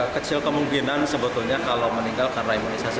kecil kemungkinan sebetulnya kalau meninggal karena imunisasi